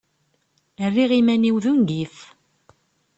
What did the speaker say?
Rriɣ iman-iw d ungif.